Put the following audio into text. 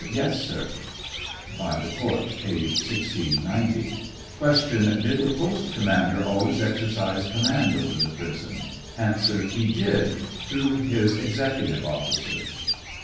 Yes, sir. By the Court: (Page 1690.) Q. Did the post commander always exercise command over the prison 7 A. He did, through his executive oflScer.